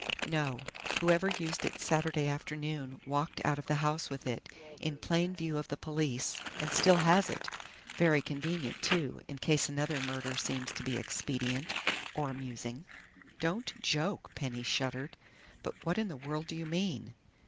"No. Whoever used it Saturday afternoon walked out of the house with it, in plain view of the police, and still has it.... Very convenient, too, in case another murder seems to be expedient or amusing." "Don't joke!" Penny shuddered. "But what in the world do you mean?"